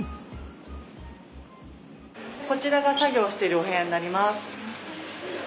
こちらが作業をしているお部屋になります。